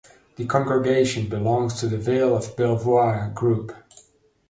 The congregation belongs to the Vale of Belvoir group.